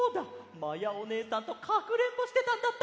まやおねえさんとかくれんぼしてたんだった！